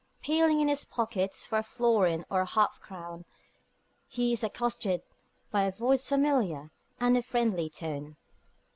Peeling in his pockets for a florin or a half crown, he is accosted by a voice familiar and of friendly tone.